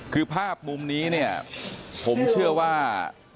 คือภาพมุมนี้เนี่ยผมเชื่อว่า